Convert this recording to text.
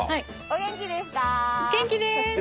お元気ですか？